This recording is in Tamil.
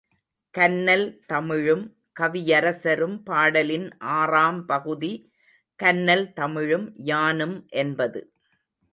கன்னல் தமிழும் கவியரசரும் பாடலின் ஆறாம் பகுதி கன்னல் தமிழும் யானும் என்பது.